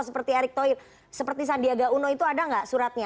seperti erick thohir seperti sandiaga uno itu ada nggak suratnya